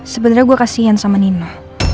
sebenernya gua kasian sama nino